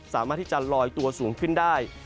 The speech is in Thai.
สามารถที่จะลอยตัวสูงขึ้นได้